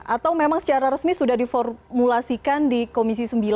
atau memang secara resmi sudah diformulasikan di komisi sembilan